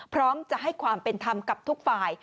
พร้อมจะให้ความเป็นธรรมกับทุกฝ่าย